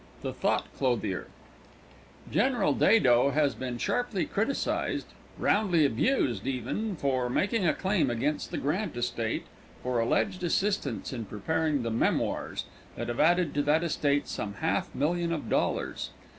THE THOUGHT CLOTHIER XXV General Dado has been sharply criticised roundly abused, even for making a claim against the Grant estate for alleged assistance in preparing the "Memoirs" that have added to that estate some half million of dollars.